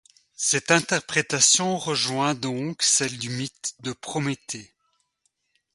Cette interprétation rejoint donc celle du mythe de Prométhée.